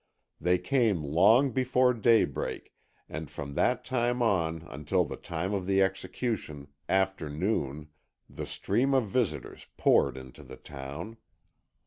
They came long before daybreak and from that time on until the time of the execution, after noon, the stream of visitors poured into the town.